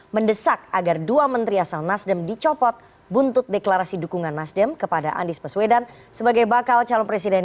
mendesak agar dua menteri asal nasdem dicopot buntut deklarasi dukungan nasdem kepada andis meswedan sebagai bakal calon presiden dua ribu dua puluh empat